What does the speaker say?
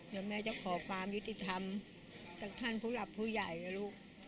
เดี๋ยวแม่จะขอความยุติธรรมจากท่านผู้หลับผู้ใหญ่นะลูก